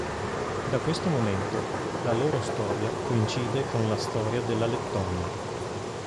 Da questo momento, la loro storia coincide con la Storia della Lettonia.